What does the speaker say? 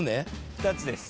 ２つです。